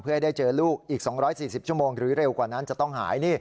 เพื่อให้ได้เจอลูกอีก๒๔๐ชั่วโมงหรือเร็วกว่านั้นจะต้องหาย